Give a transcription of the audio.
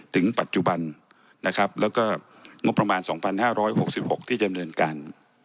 ถึงปัจจุบันนะครับแล้วก็งบประมาณสองพันห้าร้อยหกสิบหกที่เจ๋มเดินกัน